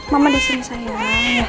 mama disini sayang